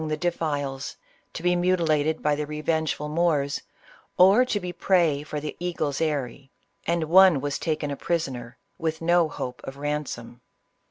the defiles, to be mutilated by the revengeful Moors, or to be prey for the eagle's eyrie ; and one was taken a prisoner, with no hope of ransom.